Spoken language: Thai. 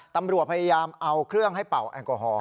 ตำรวจพยายามเอาเครื่องให้เป่าแอลกอฮอล